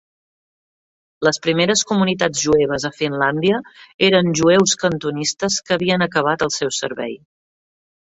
Les primeres comunitats jueves a Finlàndia eren jueus cantonistes que havien acabat el seu servei.